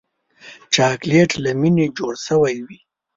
چاکلېټ له مینې جوړ شوی وي.